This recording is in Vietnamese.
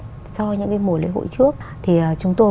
so với những mùa lễ hội trước thì chúng tôi